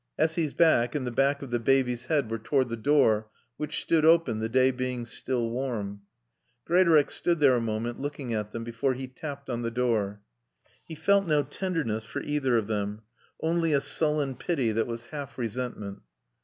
Essy's back and the back of the baby's head were toward the door, which stood open, the day being still warm. Greatorex stood there a moment looking at them before he tapped on the door. He felt no tenderness for either of them, only a sullen pity that was half resentment.